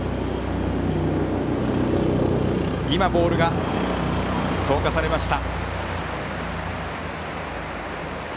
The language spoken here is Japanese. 今、ボールが投下されました。